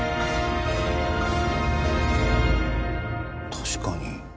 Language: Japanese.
確かに。